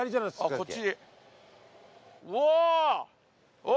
こっち。